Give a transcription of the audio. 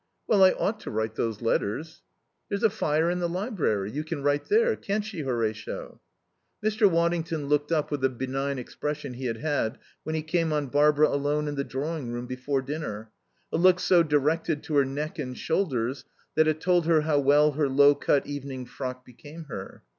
"Well, I ought to write those letters." "There's a fire in the library. You can write there. Can't she, Horatio?" Mr. Waddington looked up with the benign expression he had had when he came on Barbara alone in the drawing room before dinner, a look so directed to her neck and shoulders that it told her how well her low cut evening frock became her.